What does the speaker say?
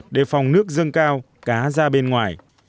để phòng nước dâng cao cá ra bên ngoài